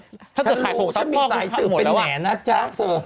ถ้าเกิดขายหกสัตว์พ่อก็ทำหมดแล้วอ่ะฉันรู้ฉันมีสายสื่อเป็นแหน่นนะจั๊กเถอะ